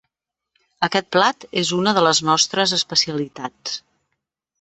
Aquest plat és una de les nostres especialitats.